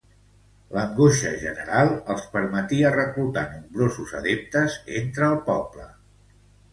L'angoixa general els permetia reclutar nombrosos adeptes entre el poble.